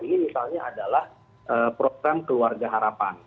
ini misalnya adalah program keluarga harapan